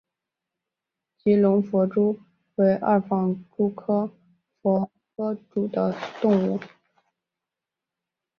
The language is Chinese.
吉隆狒蛛为二纺蛛科狒蛛属的动物。